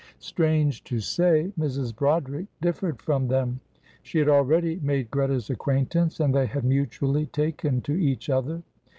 Strange to say, Mrs. Broderick differed from them. She had already made Greta's acquaintance, and they had mutually taken to each other.